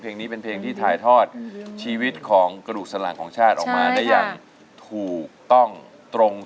เพลงนี้เป็นเพลงที่ถ่ายทอดชีวิตของกระดูกสลังของชาติออกมาได้อย่างถูกต้องตรง